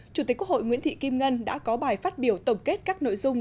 chủ tịch quốc hội nguyễn thị kim ngân đã có bài phát biểu tổng kết các nội dung